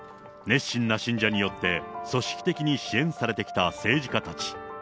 熱心な信者によって、組織的に支援されてきた政治家たち。